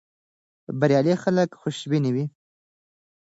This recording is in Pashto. بریالي خلک خوشبین وي.